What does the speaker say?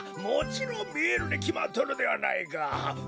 もちろんみえるにきまっとるではないか。